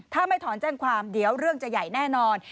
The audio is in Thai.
ถ้าไม่ถอนแจ้งความเดี๋ยวเรื่องจะใหญ่แน่นอน